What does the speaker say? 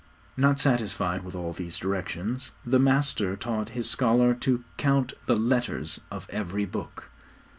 Not satisfied with all these directions, the master taught his scholar to count the letters of every Book.